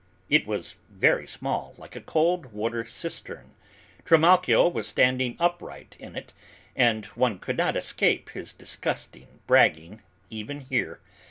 It was very small, like a cold water cistern; Trimalchio was standing upright in it, and one could not escape his disgusting bragging even here.